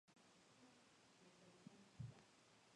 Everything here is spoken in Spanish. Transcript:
Escribió y publicó trece libros sobre el tema.